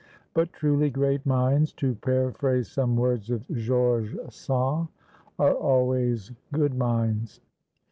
But truly great minds, to paraphrase some words of Georges Sand, are always good minds.